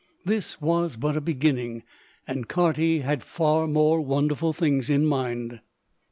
This was but a beginning, and Carty had far more wonderful things in mind.